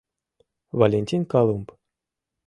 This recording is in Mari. Валентин Колумб